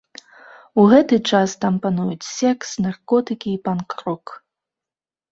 У гэты час там пануюць секс, наркотыкі і панк-рок.